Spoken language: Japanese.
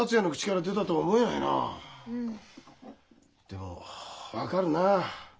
でも分かるなあ。